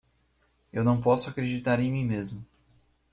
Eu não posso acreditar em mim mesmo.